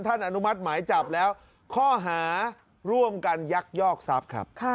ท่านอนุมัติหมายจับแล้วข้อหาร่วมกันยักษ์ยอกทรัพย์